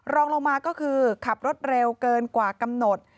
รองลงมาก็คือขับรถเร็วเกินกว่ากำหนด